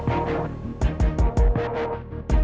tapi pokoknya gak usah datang